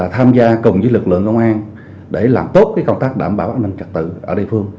tham gia cùng với lực lượng công an để làm tốt công tác đảm bảo an ninh trật tự ở địa phương